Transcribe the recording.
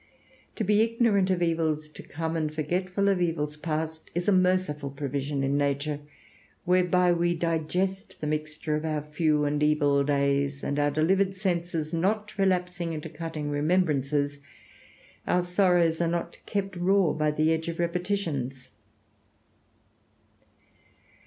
To be ignorant of evils to come, and forgetful of evils past, is a merciful provision in nature, whereby we digest the mixture of our few and evil days, and our delivered senses not relapsing into cutting remembrances, our sorrows are not kept raw by the edge of repetitions.